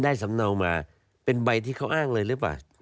สำเนามาเป็นใบที่เขาอ้างเลยหรือเปล่า